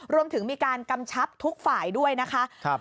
รวมถึงมีการกำชับทุกฝ่ายด้วยนะคะ